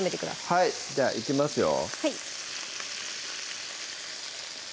はいじゃいきますよ